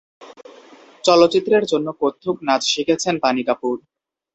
চলচ্চিত্রের জন্য কত্থক নাচ শিখেছেন বাণী কাপুর।